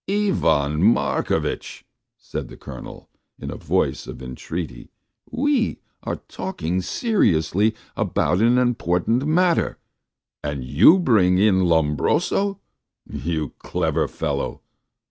"Ivan Markovitch," said the Colonel, in a voice of entreaty, "we are talking seriously about an important matter, and you bring in Lombroso, you clever fellow.